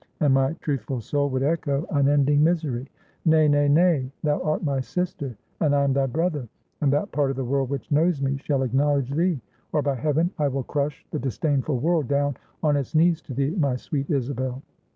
And my truthful soul would echo Unending misery! Nay, nay, nay. Thou art my sister and I am thy brother; and that part of the world which knows me, shall acknowledge thee; or by heaven I will crush the disdainful world down on its knees to thee, my sweet Isabel!"